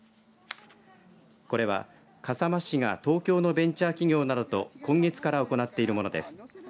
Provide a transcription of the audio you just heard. これは笠間市が東京のベンチャー企業などと今月から行っているものです。